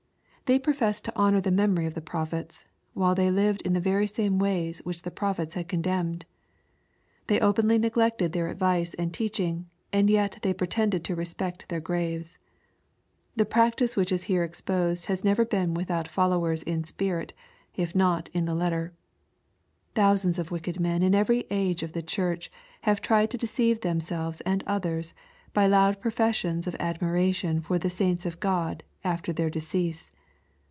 They professed to honor the memory of the prophets, while they lived in the very same ways which the prophets had con demned 1 They openly neglected their advice and teach ing, and yet they pretended to respect their graves I The practice which is here exposed has never been without followers in spirit, if not in the letter. Thou sands of wicked men in every age of the church have tried to deceive themselves and others by loud professions of admiration for the saints of Grod after their decease.